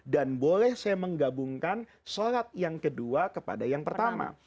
dan boleh saya menggabungkan sholat yang kedua kepada yang pertama